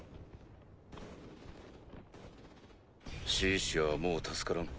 シーシアはもう助からん。